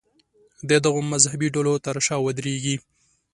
د دغو مذهبي ډلو تر شا ودرېږي.